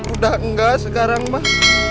udah engga sekarang mah